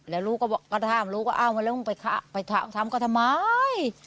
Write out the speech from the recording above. แล้วลูกก็ทำลูกก็เอามาแล้วไปทำก็ทำไม